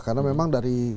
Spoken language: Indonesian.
karena memang dari